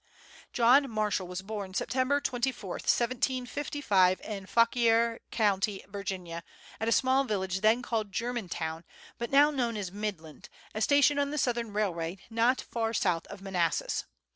John Marshall was born Sept. 24, 1755, in Fauquier County, Virginia, at a small village then called Germantown, but now known as Midland, a station on the Southern Railway not far south of Manassas.